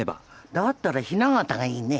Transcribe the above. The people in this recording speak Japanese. だったら「雛形」がいいね。